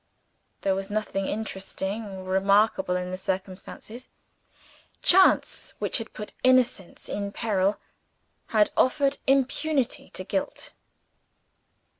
There was nothing interesting or remarkable in the circumstances. Chance which had put innocence in peril, had offered impunity to guilt.